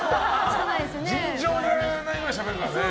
尋常じゃないぐらいしゃべるからね。